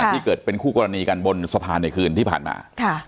ที่เกิดเป็นคู่กรณีกันบนสะพานในคืนที่ผ่านมา